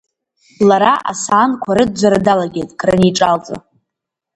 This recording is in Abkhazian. Лара асаанқәа рыӡәӡәара далагеит, краниҿалҵа.